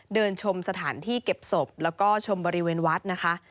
เดินชมสถานที่เก็บศพแล้วก็ชมบริเวณวัดนะคะ